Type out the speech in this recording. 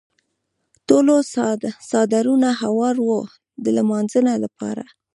ټولو څادرونه هوار وو د لمانځه لپاره.